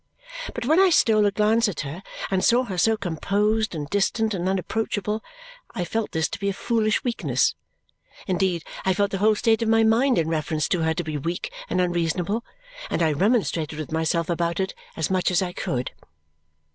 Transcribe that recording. But when I stole a glance at her and saw her so composed and distant and unapproachable, I felt this to be a foolish weakness. Indeed, I felt the whole state of my mind in reference to her to be weak and unreasonable, and I remonstrated with myself about it as much as I could.